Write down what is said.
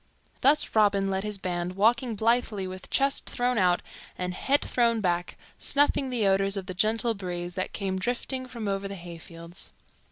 Thus Robin led his band, walking blithely with chest thrown out and head thrown back, snuffing the odors of the gentle breeze that came drifting from over the hayfields.